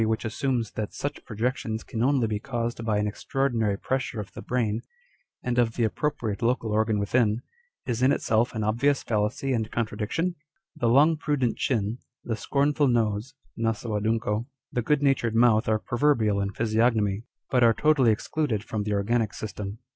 191 which assumes that such projections can only be caused by an extraordinary pressure of the brain, and of the ap propriate local organ within, is in itself an obvious fallacy &nd contradiction ? The long prudent chin, the scornful nose (naso adunco), the good natured mouth are proverbial in physiognomy, but are totally excluded from the organic system.